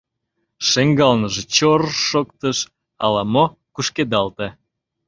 Шеҥгелныже чор-р шоктыш — ала-мо кушкедалте.